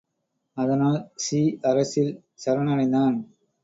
அதனால் சி அரசில் சரணடைந்தான்.